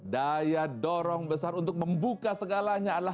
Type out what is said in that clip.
daya dorong besar untuk membuka segalanya adalah